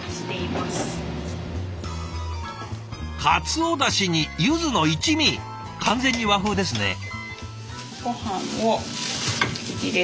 カツオだしにゆずの一味完全に和風ですね。